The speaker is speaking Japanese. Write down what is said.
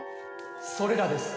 それらです。